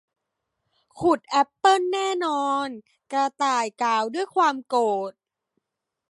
ขุดแอปเปิลแน่นอน กระต่ายกล่าวด้วยความโกรธ